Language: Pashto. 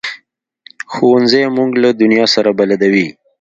ښوونځی موږ له دنیا سره بلدوي